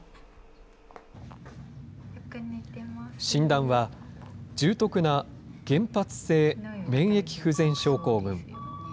診断は、重篤な原発性免疫不全症候群。